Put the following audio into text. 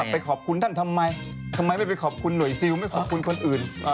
ไปขอบคุณท่านทำไมทำไมไม่ไปขอบคุณหน่วยซิลไม่ขอบคุณคนอื่น